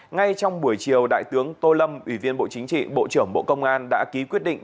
ngay trong buổi chiều đại tướng tô lâm ủy viên bộ chính trị bộ trưởng bộ công an đã ký quyết định